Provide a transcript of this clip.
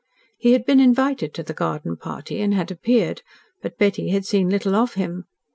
He had been invited to the garden party, and had appeared, but Betty had seen little of him.